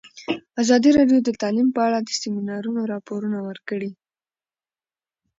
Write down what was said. ازادي راډیو د تعلیم په اړه د سیمینارونو راپورونه ورکړي.